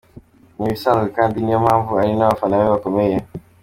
Ni ibisanzwe kandi niyo mpamvu ari n’abafana be bakomeye.